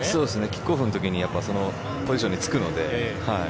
キックオフのときにポジションにつくので。